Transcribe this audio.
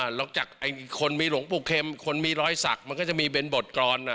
นอกจากคนมีหลวงปู่เข็มคนมีรอยสักมันก็จะมีเป็นบทกรอน